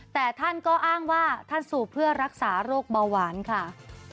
แต่ท่านก็อ้างว่าท่านสูบเพื่อรักษาโรคเบาหวานค่ะ